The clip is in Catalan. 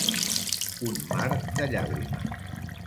Un mar de llàgrimes.